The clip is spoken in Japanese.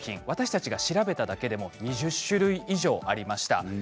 私たちが調べただけでも２０種類以上ありました。